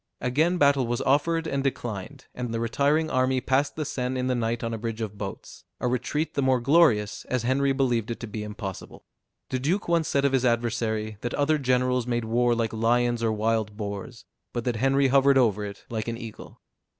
Again battle was offered and declined; and the retiring army passed the Seine in the night on a bridge of boats; a retreat the more glorious, as Henry believed it to be impossible. The duke once said of his adversary, that other generals made war like lions or wild boars; but that Henry hovered over it like an eagle.